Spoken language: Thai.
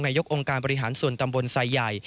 ยกองค์การบริหารส่วนตำบลไซใหญ่